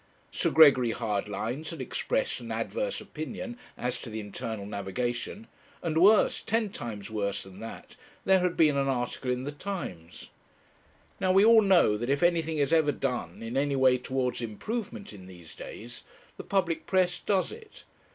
Sir Gregory Hardlines had expressed an adverse opinion as to the Internal Navigation, and worse, ten times worse than that, there had been an article in the Times. Now, we all know that if anything is ever done in any way towards improvement in these days, the public press does it.